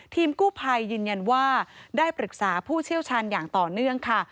ทีมกู้ภัยยืนยันว่าได้ปรึกษาผู้เชี่ยวชาญอย่างต่อเนื่องค่ะ